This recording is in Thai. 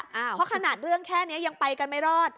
เพราะขนาดเรื่องแค่นี้ยังไปกันไม่รอด